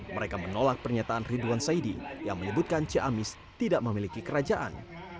mereka menolak pernyataan ridwan saidi yang menyebutkan ciamis tidak memiliki kerajaan